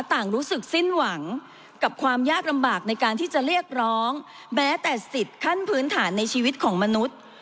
ต่างรู้สึกสิ้นหวังกับความยากลำบากในการที่จะเรียกร้องแม้แต่สิทธิ์ขั้นพื้นฐานในชีวิตของมนุษย์